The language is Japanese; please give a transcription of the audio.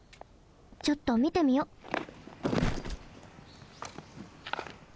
ちょっとみてみよっ。